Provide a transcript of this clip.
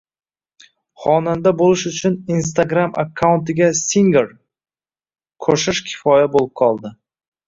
Xonanda bo'lish uchun instagram akkauntiga "singer" qo'shish kifoya bo'lib qoldi...